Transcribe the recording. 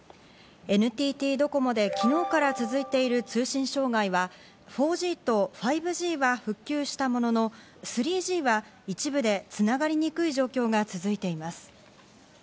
ＮＴＴドコモで昨日から続いている通信障害は、４Ｇと５Ｇは復旧したものの、３Ｇは一部でつながりにくい状況が続いています。